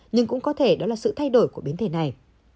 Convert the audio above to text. nhưng cũng có thể đó là sự thay đổi của biến thể này